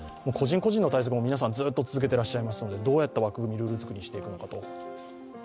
個人個人の対策、皆さんずっと続けていらっしゃいますのでどうやった枠組み、ルールづくりにしていくのか。